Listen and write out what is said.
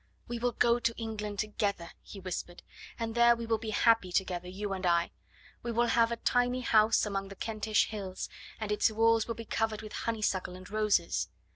"We will go to England together," he whispered, "and there we will be happy together, you and I. We will have a tiny house among the Kentish hills, and its walls will be covered with honeysuckle and roses.